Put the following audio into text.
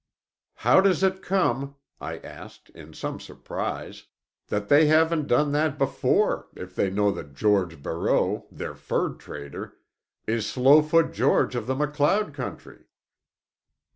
"How does it come," I asked, in some surprise, "that they haven't done that before, if they know that George Barreau, the fur trader, is Slowfoot George of the MacLeod country?"